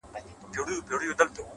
علم د هدفونو درک اسانه کوي،